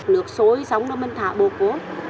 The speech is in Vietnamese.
nước sôi xong rồi mình thả bột vô